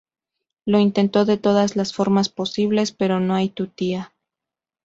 Lo intentó de todas las formas posibles, pero no hay tutía